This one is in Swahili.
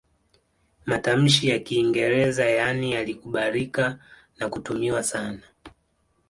Matamshi ya Kiingereza yaani yalikubalika na kutumiwa sana